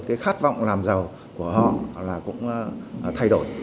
cái khát vọng làm giàu của họ là cũng thay đổi